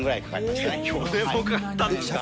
ぐら４年もかかったんですね。